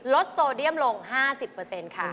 โซเดียมลง๕๐ค่ะ